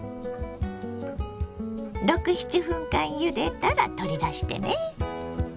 ６７分間ゆでたら取り出してね。